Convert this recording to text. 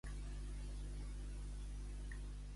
Llamp et ferís!